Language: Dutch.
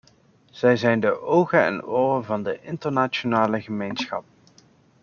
Zij zijn de ogen en de oren van de internationale gemeenschap.